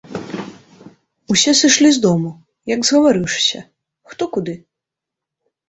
Усе сышлі з дому, як згаварыўшыся, хто куды.